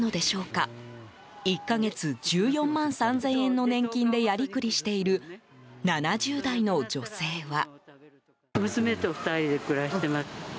１か月１４万３０００円の年金でやりくりしている７０代の女性は。